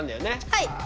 はい。